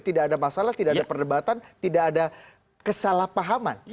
tidak ada masalah tidak ada perdebatan tidak ada kesalahpahaman